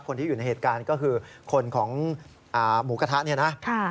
คนที่อยู่ในเหตุการณ์ก็คือคนของหมูกระทะเนี่ยนะ